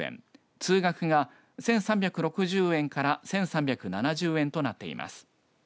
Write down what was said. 通学が１３６０円から１３７０円となっています。